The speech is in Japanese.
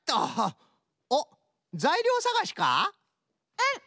うん。